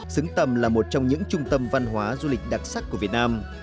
xứng tầm là một trong những trung tâm văn hóa du lịch đặc sắc của việt nam